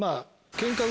ケンカを。